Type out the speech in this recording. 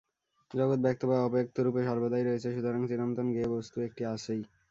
জগৎ ব্যক্ত বা অব্যক্তরূপে সর্বদাই রয়েছে, সুতরাং চিরন্তন জ্ঞেয় বস্তু একটি আছেই।